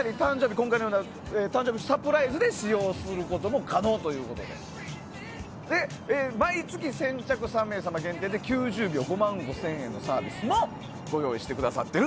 今回のような誕生日のサプライズで使用することも可能ということで毎月先着３名様限定で９０秒で５万５０００円のサービスもご用意してくださっています。